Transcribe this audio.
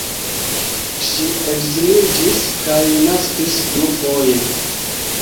Ŝi edziniĝis kaj naskis dufoje.